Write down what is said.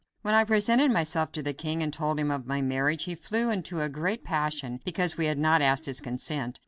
When I presented myself to the king and told him of my marriage, he flew into a great passion because we had not asked his consent.